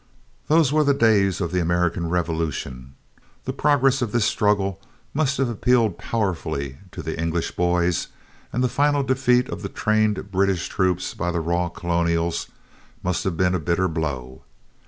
Those were the days of the American Revolution. The progress of this struggle must have appealed powerfully to the English boys; and the final defeat of the trained British troops by the raw Colonials must have been a bitter blow.